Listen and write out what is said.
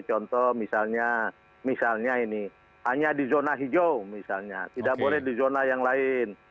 contoh misalnya misalnya ini hanya di zona hijau misalnya tidak boleh di zona yang lain